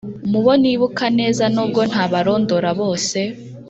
mu bo nibuka neza nubwo ntabarondora bose,